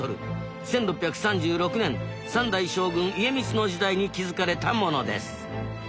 １６３６年３代将軍家光の時代に築かれたものです